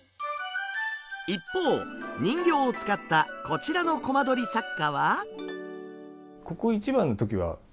一方人形を使ったこちらのコマ撮り作家は。